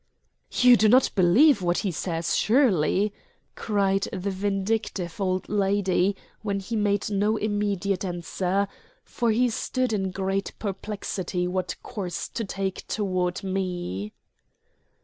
"You do not believe what he says, surely?" cried the vindictive old lady when he made no immediate answer, for he stood in great perplexity what course to take toward me.